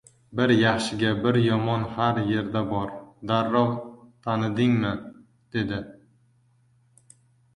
— Bir yaxshiga bir yomon har yerda bor. Darrov tanidingmi? — dedi.